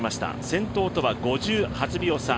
先頭とは５８秒差。